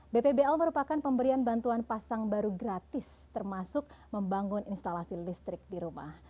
bpbl merupakan pemberian bantuan pasang baru gratis termasuk membangun instalasi listrik di rumah